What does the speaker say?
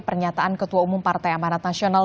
pernyataan ketua umum partai amanat nasional